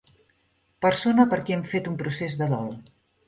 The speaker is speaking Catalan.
Persona per qui hem fet un procés de dol.